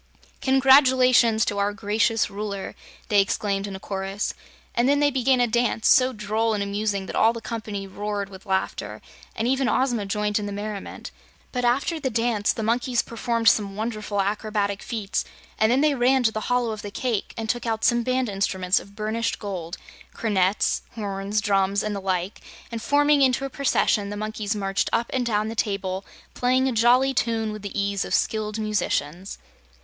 "Congratulations to our gracious Ruler!" they exclaimed in a chorus, and then they began a dance, so droll and amusing that all the company roared with laughter and even Ozma joined in the merriment. But after the dance the monkeys performed some wonderful acrobatic feats, and then they ran to the hollow of the cake and took out some band instruments of burnished gold cornets, horns, drums, and the like and forming into a procession the monkeys marched up and down the table playing a jolly tune with the ease of skilled musicians.